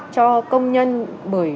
cho công nhân bởi